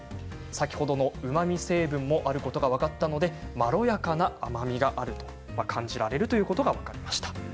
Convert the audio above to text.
うまみ成分もあることが分かったのでまろやかな甘みがある感じられるということが分かりました。